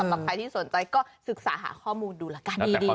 สศวรรษที่สนใจก็ศึกษาหาข้อมูลมาดูแล้ว